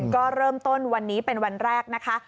ก็เริ่มต้นวันนี้เป็นวันแรกนะคะ